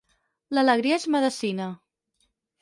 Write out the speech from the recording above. L'alegria és medecina.